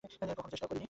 কখনো চেষ্টাও করিনি।